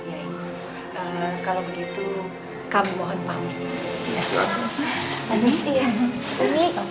kalau begitu kami mohon pamit